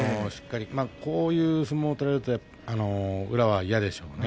こういう相撲を取られると宇良は嫌でしょうね